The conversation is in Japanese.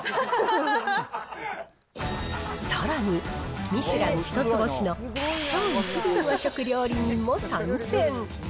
さらに、ミシュラン一つ星の超一流和食料理人も参戦。